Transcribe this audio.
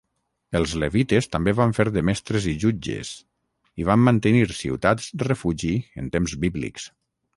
Els levites també van fer de mestres i jutges, i van mantenir ciutats refugi en temps bíblics.